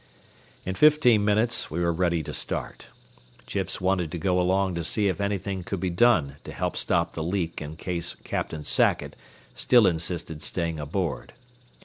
In fifteen minutes we were ready to start. Chips wanted to go along to see if anything could be done to help stop the leak in case Captain Sackett still insisted staying aboard.